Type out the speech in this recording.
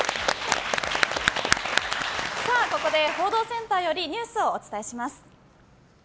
ここで報道センターよりニュースをお伝えします。